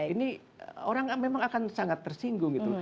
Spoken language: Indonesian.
ini orang memang akan sangat tersinggung gitu